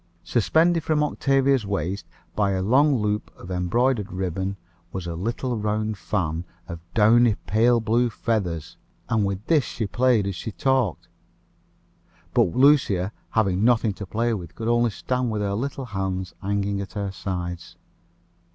Suspended from Octavia's waist by a long loop of the embroidered ribbon, was a little round fan, of downy pale blue feathers, and with this she played as she talked; but Lucia, having nothing to play with, could only stand with her little hands hanging at her sides.